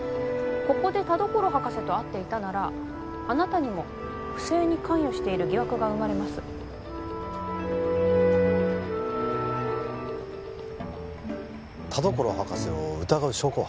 ここで田所博士と会っていたならあなたにも不正に関与している疑惑が生まれます田所博士を疑う証拠は？